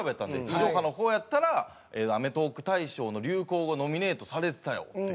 地上波の方やったらアメトーーク大賞の流行語ノミネートされてたよって。